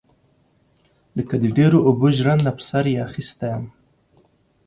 لکه د ډيرو اوبو ژرنده پر سر يې اخيستى يم.